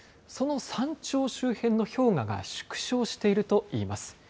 その山頂周辺の氷河が縮小しているといいます。